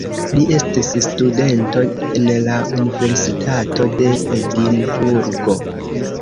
Li estis studento en la universitato de Edinburgo.